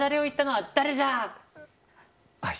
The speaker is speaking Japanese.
はい。